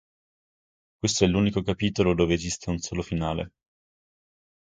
Questo è l'unico capitolo dove esiste un solo finale.